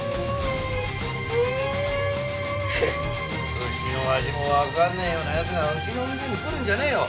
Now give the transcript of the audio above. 寿司の味もわかんねえような奴がうちの店に来るんじゃねえよ。